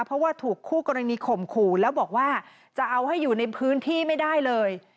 เพราะว่าถูกคู่กรณีข่มขู่แล้วบอกว่าจะเอาให้อยู่ในพื้นที่ไม่ได้เลย